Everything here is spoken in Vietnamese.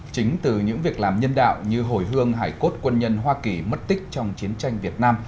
chính từ những việc làm nhân đạo như hồi hương hải cốt quân nhân hoa kỳ mất tích trong chiến tranh việt nam